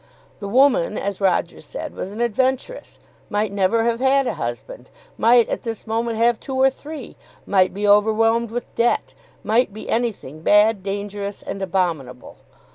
The woman, as Roger said, was an adventuress, might never have had a husband, might at this moment have two or three, might be overwhelmed with debt, might be anything bad, dangerous, and abominable.